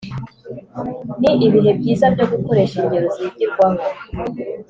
Ni ibihe byiza byo gukoresha ingero zigirwaho